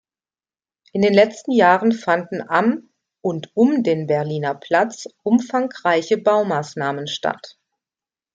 In den letzten Jahren fanden am und um den Berliner Platz umfangreiche Baumaßnahmen statt.